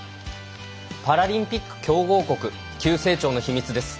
パラリンピック強豪国急成長の秘密です。